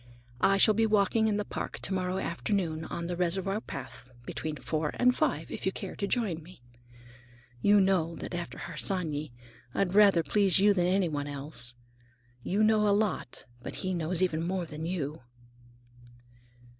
"I shall be walking in the Park to morrow afternoon, on the reservoir path, between four and five, if you care to join me. You know that after Harsanyi I'd rather please you than anyone else. You know a lot, but he knows even more than you."